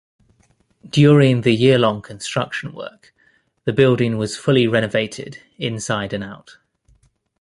During the year-long construction work, the building was fully renovated inside and out.